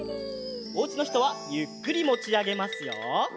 おうちのひとはゆっくりもちあげますよ。